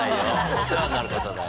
お世話になる方だよ。